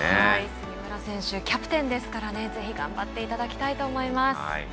杉村選手キャプテンですからぜひ頑張っていただきたいと思います。